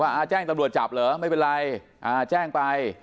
แจ้งตำรวจจับเหรอไม่เป็นไรแจ้งไป